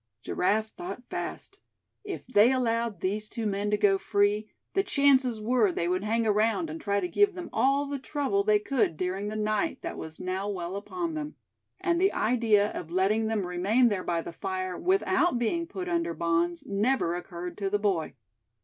Giraffe thought fast. If they allowed these two men to go free, the chances were they would hang around, and try to give them all the trouble they could during the night that was now well upon them. And the idea of letting them remain there by the fire without being put under bonds, never occurred to the boy.